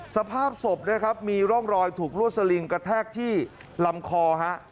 สภาพศพนะครับมีร่องรอยถูกลวดสลิงกระแทกที่ลำคอฮะ